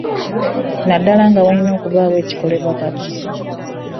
Naddala nga walina okubaawo ekikolebwa kati.